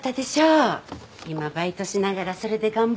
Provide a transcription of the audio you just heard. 今バイトしながらそれで頑張ってるんだって。